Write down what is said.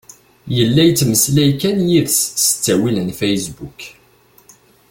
Yella yettmeslay kan d yid-s s ttawil n fasebbuk.